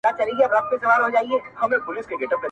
• ځينې خلک د پېښې په اړه دعاوې کوي خاموش..